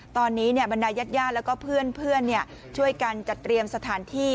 ตอนนี้เนี่ยบรรณายัดย่าแล้วก็เพื่อนเพื่อนเนี่ยช่วยกันจัดเตรียมสถานที่